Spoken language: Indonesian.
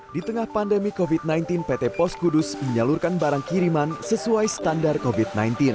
di tengah pandemi covid sembilan belas pt pos kudus menyalurkan barang kiriman sesuai standar covid sembilan belas